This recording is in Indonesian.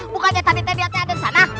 bukannya tadi tediatnya ada di sana